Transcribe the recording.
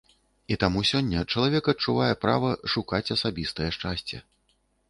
І таму сёння чалавек адчувае права шукаць асабістае шчасце.